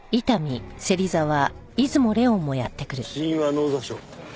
死因は脳挫傷。